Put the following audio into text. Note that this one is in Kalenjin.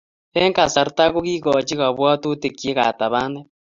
Eng kasarta, kokiikoch kabwatutikchi katabanet